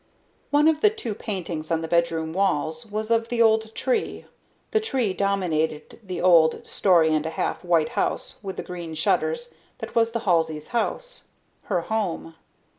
One of the two paintings on the bedroom walls was of the old tree. The tree dominated the old story and a half white house with the green shutters that was the Halseys' home. Her home.